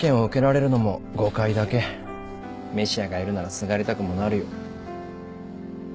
メシアがいるならすがりたくもなるよ。